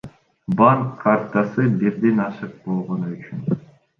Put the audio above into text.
Банк картасы бирден ашык болгону үчүн.